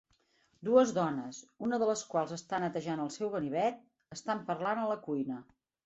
Dues dones, una de les quals està netejant el seu ganivet, estan parlant a la cuina.